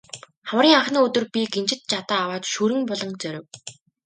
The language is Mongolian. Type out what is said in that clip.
Хаврын анхны өдөр би гинжит жадаа аваад Шүрэн буланг зорив.